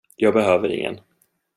Jag behöver ingen.